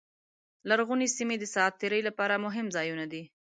لرغونې سیمې د ساعت تېرۍ لپاره مهم ځایونه دي.